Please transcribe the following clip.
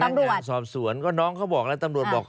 พนักงานสอบสวนก็น้องเขาบอกแล้วตำรวจบอก